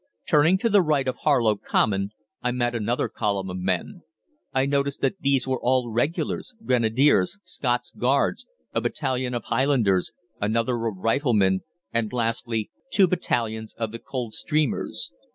"Turning to the right of Harlow Common, I met another column of men. I noticed that these were all Regulars, Grenadiers, Scots Guards, a battalion of Highlanders, another of Riflemen, and, lastly, two battalions of the Coldstreamers.